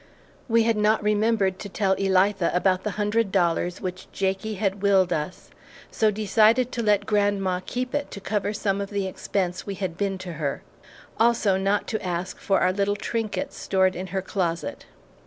We had not remembered to tell Elitha about the hundred dollars which Jakie had willed us, so decided to let grandma keep it to cover some of the expense we had been to her, also not to ask for our little trinkets stored in her closet.